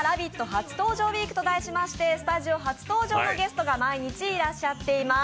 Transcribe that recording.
初登場ウィークと題しましてスタジオ初登場のゲストが毎日、いらっしゃっています。